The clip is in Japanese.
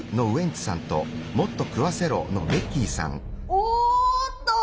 おっと。